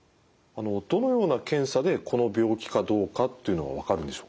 どのような検査でこの病気かどうかっていうのは分かるんでしょうか。